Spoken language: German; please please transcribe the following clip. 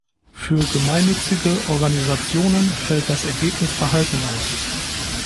Für Gemeinnützige Organisationen fällt das Ergebnis verhalten aus.